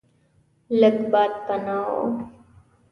لږ باد پناه و.